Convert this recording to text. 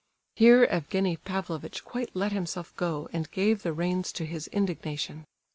Here Evgenie Pavlovitch quite let himself go, and gave the reins to his indignation.